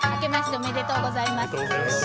おめでとうございます。